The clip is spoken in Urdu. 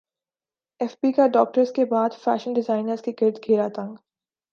ایف بی کا ڈاکٹرز کے بعد فیشن ڈیزائنرز کے گرد گھیرا تنگ